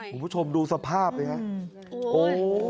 คุณผู้ชมดูสภาพเลยครับ